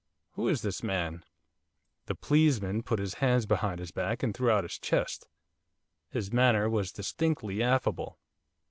'Who is this man?' The 'pleesman' put his hands behind his back, and threw out his chest. His manner was distinctly affable.